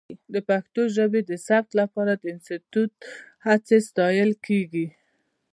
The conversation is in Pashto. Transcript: د پښتو ژبې د ثبت لپاره د انسټیټوت هڅې ستایلې کېږي.